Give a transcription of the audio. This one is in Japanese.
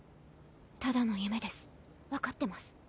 ただの夢です分かってます